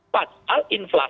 pada saat dasarnya mindful